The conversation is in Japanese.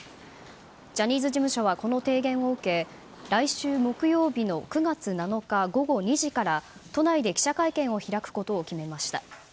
ジャニーズ事務所はこの提言を受け、来週木曜日の９月７日、午後２時から都内で記者会見を開くことを決めました。